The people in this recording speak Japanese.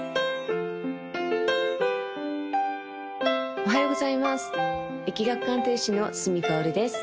おはようございます易学鑑定士の角かおるです